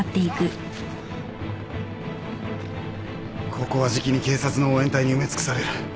ここはじきに警察の応援隊に埋め尽くされる。